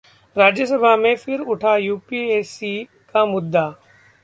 राज्यसभा में फिर उठा यूपीएससी का मुद्दा